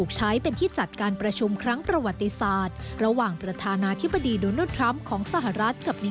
ไปติดตามจากรายงานครับ